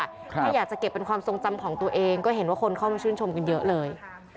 ถ้าอยากจะเก็บเป็นความทรงจำของตัวเองก็เห็นว่าคนเข้ามาชื่นชมกันเยอะเลย